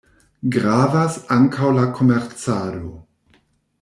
Gravas ankaŭ la komercado.